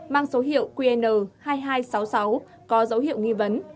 mang số hiệu qn hai nghìn hai trăm sáu mươi sáu có dấu hiệu nghi vấn